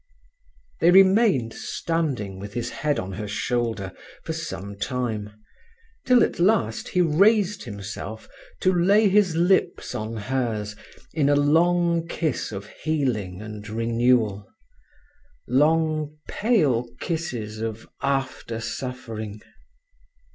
They remained standing with his head on her shoulder for some time, till at last he raised himself to lay his lips on hers in a long kiss of healing and renewal—long, pale kisses of after suffering.